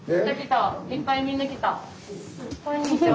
こんにちは。